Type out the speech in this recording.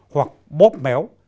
hoặc bóp méo